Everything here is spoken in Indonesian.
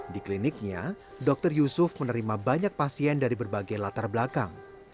di kliniknya dr yusuf menerima banyak pasien dari berbagai latar belakang